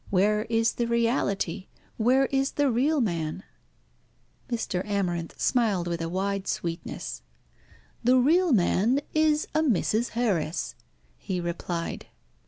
Where is the reality? Where is the real man?" Mr. Amarinth smiled with a wide sweetness. "The real man is a Mrs. Harris," he replied.